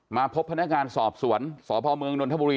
มาพบพนักงานสอบสวนสพเมืองนนทบุรี